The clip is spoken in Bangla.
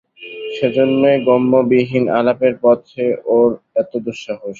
সেইজন্যেই গম্যবিহীন আলাপের পথে ওর এত দুঃসাহস।